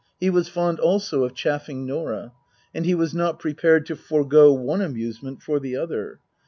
He was fond also of chaffing Norah. And he was not prepared to forego one amusement for the other.